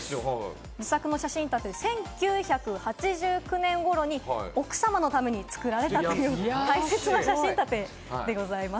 １９８９年頃に奥様のために作られたという大切な写真立てでございます。